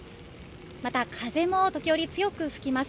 また風も時折強く吹きます。